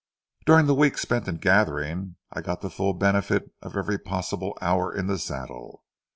During the week spent in gathering, I got the full benefit of every possible hour in the saddle.